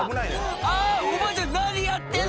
「あぁおばあちゃん何やってんの！」